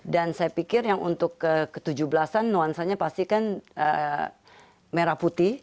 dan saya pikir yang untuk ke tujuh belas an nuansanya pastikan merah putih